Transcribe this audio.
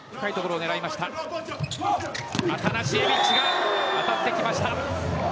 アタナシエビッチが当たってきました。